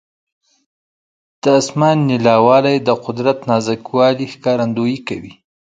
د اسمان نیلاوالی د قدرت نازک والي ښکارندویي کوي.